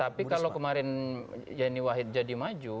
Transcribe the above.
tapi kalau kemarin yeni wahid jadi maju